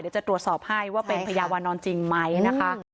เดี๋ยวจะตรวจสอบให้ว่าเป็นพระยาวนอนจริงไหมนะคะ